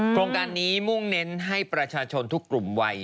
โครงการนี้มุ่งเน้นให้ประชาชนทุกกลุ่มวัย